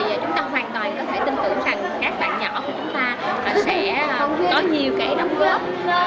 và chúng ta hoàn toàn có thể tin tưởng rằng các bạn nhỏ của chúng ta sẽ có nhiều cái đóng góp